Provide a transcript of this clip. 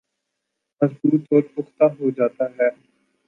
مضبوط اور پختہ ہوجاتا ہے